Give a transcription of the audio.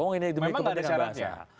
memang tidak ada syaratnya